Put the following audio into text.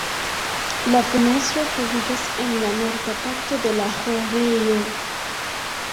La fenestro troviĝas en la norda parto de la ĥorejo.